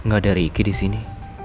gak ada ricky disini